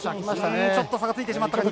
ちょっと差がついてしまった。